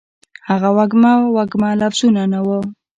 هغه وږمه، وږمه لفظونه ، نه وه